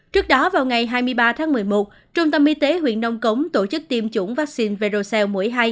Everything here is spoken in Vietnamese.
trước đó vào ngày hai mươi ba tháng một mươi một trung tâm y tế huyện nông cống tổ chức tiêm chủng vaccine verocel mũi hai